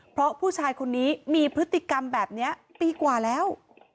เพราะผู้ชายคนนี้มีพฤติกรรมแบบนี้ปีกว่าแล้ว